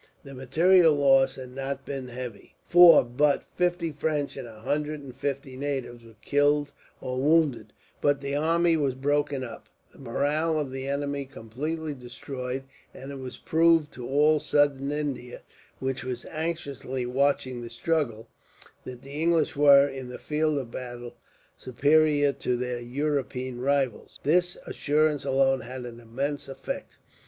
The material loss had not been heavy, for but fifty French and a hundred and fifty natives were killed or wounded; but the army was broken up, the morale of the enemy completely destroyed; and it was proved to all Southern India, which was anxiously watching the struggle, that the English were, in the field of battle, superior to their European rivals. This assurance alone had an immense effect.